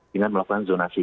dengan melakukan zonasi